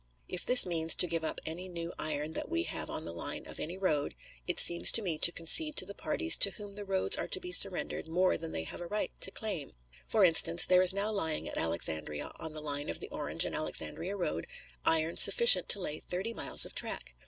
If this means to give up any new iron that we have on the line of any road, it seems to me to concede to the parties to whom the roads are to be surrendered more than they have a right to claim. For instance, there is now lying at Alexandria, on the line of the Orange and Alexandria road, iron sufficient to lay thirty miles of track.